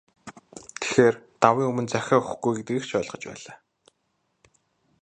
Тэгэхээр, давын өмнө захиа өгөхгүй гэдгийг ч ойлгож байлаа.